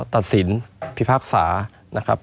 ไม่มีครับไม่มีครับ